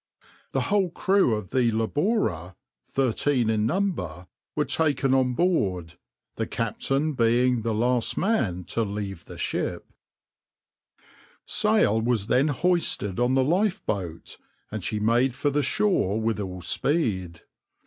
The whole crew of the {\itshape{Labora}}, thirteen in number, were taken on board, the captain being the last man to leave the ship.\par Sail was then hoisted on the lifeboat, and she made for the shore with all speed.